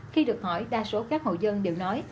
khi được hỏi đa số các hộ dân đều nói